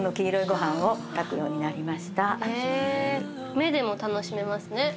目でも楽しめますね。